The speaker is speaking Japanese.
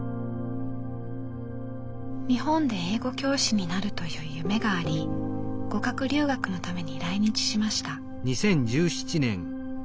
日本で英語教師になるという夢があり語学留学のために来日しました。